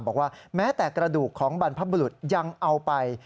แม้แต่กระดูกของบรรพบุรุษยังเอาไป